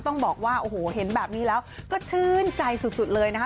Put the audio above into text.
ต้องบอกว่าโอ้โหเห็นแบบนี้แล้วก็ชื่นใจสุดเลยนะคะ